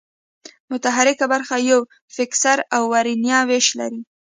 متحرکه برخه یې فکسر او ورنیه وېش لري.